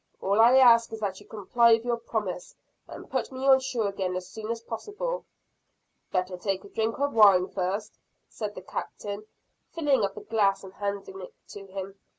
"All I ask is, that you comply with your promise and put me on shore again as soon as possible." "Better take a drink of wine first," said the Captain, filling up a glass and handing it to him.